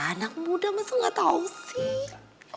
anak muda masa gak tau sih